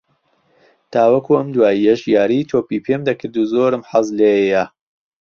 تاوەکو ئەم دواییەش یاری تۆپی پێم دەکرد و زۆرم حەز لێییە